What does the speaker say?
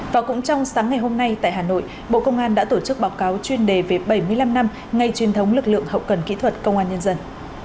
và cũng trong sáng ngày hôm nay tại hà nội bộ công an đã tổ chức báo cáo chuyên đề về bảy mươi năm năm ngày truyền thống lực lượng hậu cần kỹ thuật công an nhân dân